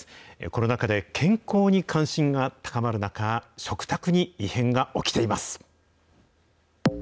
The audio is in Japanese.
コロナ禍で健康に関心が高まる中、食卓に異変が起きています。